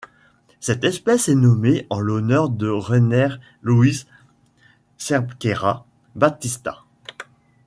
Cette espèce est nommée en l'honneur de Renner Luiz Cerqueira Baptista.